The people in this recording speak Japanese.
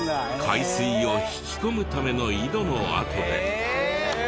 海水を引き込むための井戸の跡で。